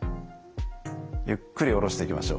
ゆっくり下ろしていきましょう。